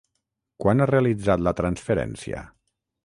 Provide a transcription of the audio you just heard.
Quan ha realitzat la transferència?